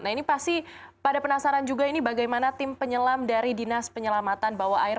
nah ini pasti pada penasaran juga ini bagaimana tim penyelam dari dinas penyelamatan bawah air